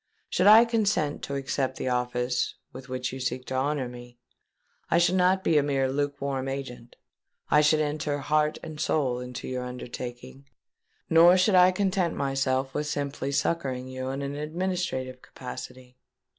Should I consent to accept the office with which you seek to honour me, I should not be a mere lukewarm agent: I should enter heart and soul into your undertaking; nor should I content myself with simply succouring you in an administrative capacity.